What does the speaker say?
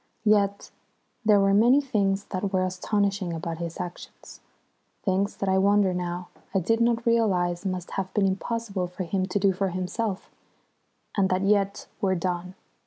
Yet there were many things that were astonishing about his actions, things that I wonder now I did not realise must have been impossible for him to do for himself, and that yet were done.